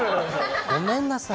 ごめんなさい。